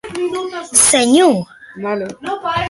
Senhor!